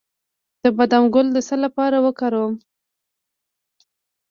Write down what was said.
د بادام ګل د څه لپاره وکاروم؟